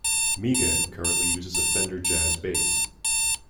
Mige currently uses a Fender Jazz Bass.